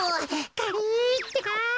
がりってか。